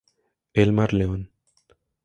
Elmar León